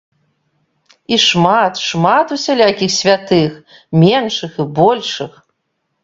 І шмат, шмат усялякіх святых, меншых і большых!